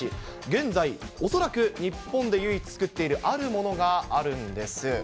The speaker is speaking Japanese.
現在、恐らく日本で唯一作っているあるものがあるんです。